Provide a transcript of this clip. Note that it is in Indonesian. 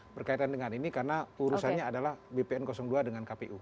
berkaitan dengan ini karena urusannya adalah bpn dua dengan kpu